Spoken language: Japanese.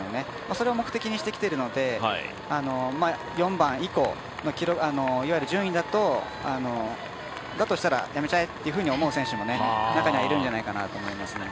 それを目的にしてきているので４番以降のいわゆる順位だと、だとしたらやめちゃえと思っちゃう選手が中に入るんじゃないかと思いますね。